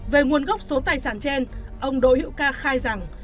về nguồn gốc số tài sản trên ông đỗ hữu ca khai rằng